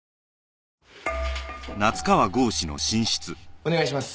お願いします。